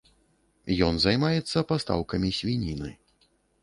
Ён займаецца пастаўкамі свініны.